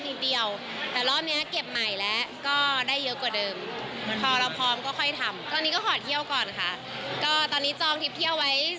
แล้วอาจจะไม่อยากซุกไม่ถูกกับหมอคนเดิมอะไรอย่างเงี้ย